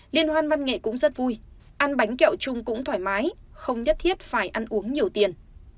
liên hoan văn nghệ cũng rất vui ăn bánh kẹo chung cũng thoải mái không nhất thiết phải ăn uống nhiều tiền